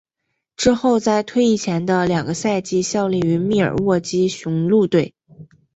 之后在退役前的两个赛季效力于密尔沃基雄鹿队。